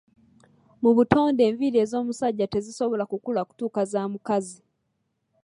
Mu butonde enviiri ez'omusajja tezisobola kukula kutuuka za mukazi.